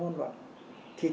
chúng phải nói thật